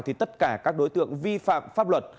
thì tất cả các đối tượng vi phạm pháp luật